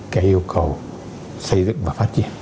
cái yêu cầu xây dựng và phát triển